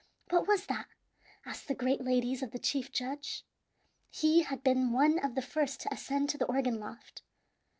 "What was that?" asked the great ladies of the chief judge. He had been one of the first to ascend to the organ loft.